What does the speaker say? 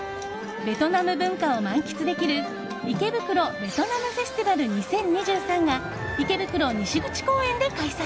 ベトナム文化を満喫できる池袋ベトナムフェスティバル２０２３が池袋西口公園で開催。